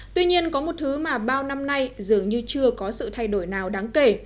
tuy nhiên có một thứ mà bao năm nay dường như chưa có sự thay đổi nào đáng kể